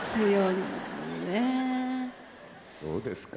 そうですか。